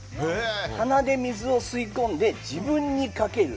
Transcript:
鼻で水を吸い込んで自分にかける。